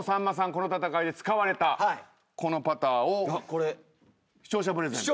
この戦いで使われたこのパターを視聴者プレゼント。